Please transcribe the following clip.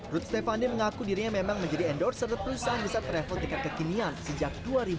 ruth stephanie mengaku dirinya memang menjadi endorser perusahaan jasa travel tiket kekinian sejak dua ribu delapan belas